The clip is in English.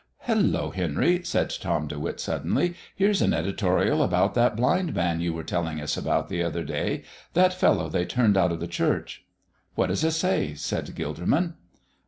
"Hullo, Henry!" said Tom De Witt, suddenly. "Here's an editorial about that blind man you were telling us about the other day that fellow they turned out of the Church." "What does it say?" said Gilderman.